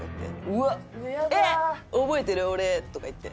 「えっ覚えてる？俺」とか言って。